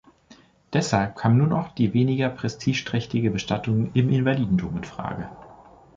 Deshalb kam nur noch die weniger prestigeträchtige Bestattung im Invalidendom in Frage.